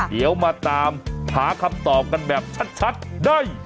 เดี๋ยวมาตามหาคำตอบกันแบบชัดได้